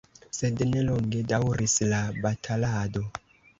Sed ne longe daŭris la batalado.